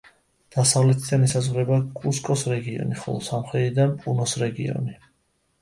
დასავლეთიდან ესაზღვრება კუსკოს რეგიონი, ხოლო სამხრეთიდან პუნოს რეგიონი.